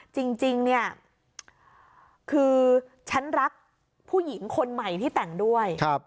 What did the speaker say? จริงเนี่ยคือฉันรักผู้หญิงคนใหม่ที่แต่งด้วย